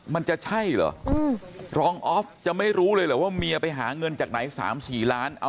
มันจะใช่เหรอรองออฟจะไม่รู้เลยเหรอว่าเมียไปหาเงินจากไหน๓๔ล้าน